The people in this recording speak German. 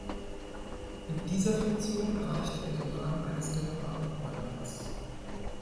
In dieser Funktion erreichte er den Rang eines Generalleutnants.